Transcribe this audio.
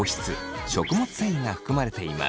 繊維が含まれています。